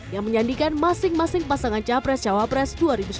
yang menyandikan masing masing pasangan capres cawa pres dua ribu sembilan belas